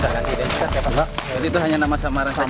jadi itu hanya nama samaran saja